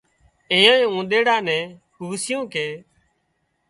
ايئانئي اونۮيڙا نين پوسيون ڪي